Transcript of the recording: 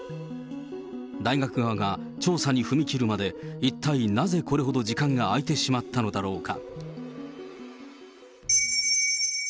大学側が調査に踏み切るまで、一体なぜこれほど時間が空いてしまったのだろうか。